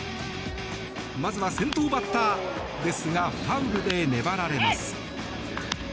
まずは先頭バッターですがファウルで粘られます。